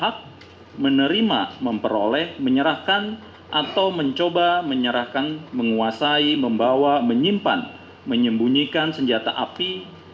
hak menerima memperoleh menyerahkan atau mencoba menyerahkan menguasai membawa menyimpan menyembunyikan senjata api